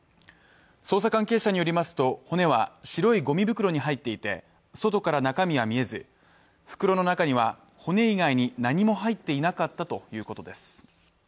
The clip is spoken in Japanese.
捜査関係者によりますと骨は白いごみ袋に入っていて外から中身は見えず袋の中には、骨以外に何も入っていなかったということです。